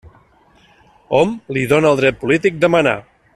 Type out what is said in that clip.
Hom li dóna el dret polític de manar.